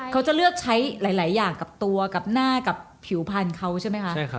เขาจะเลือกใช้หลายอย่างกับตัวกับหน้ากับผิวพันธุ์เขาใช่ไหมคะ